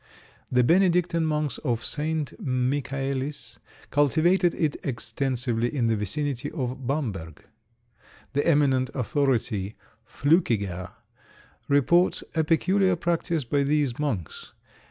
The Benedictine monks of St. Michaelis cultivated it extensively in the vicinity of Bamberg. The eminent authority, Flückiger, reports a peculiar practice by these monks.